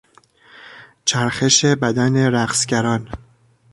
چرخش بدن رقصگران